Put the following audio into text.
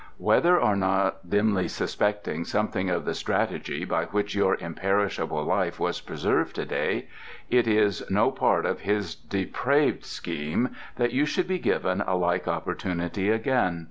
Whether or not dimly suspecting something of the strategy by which your imperishable life was preserved to day, it is no part of his depraved scheme that you should be given a like opportunity again.